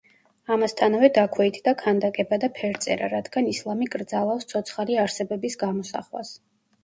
ამასთანავე, დაქვეითდა ქანდაკება და ფერწერა, რადგან ისლამი კრძალავს ცოცხალი არსებების გამოსახვას.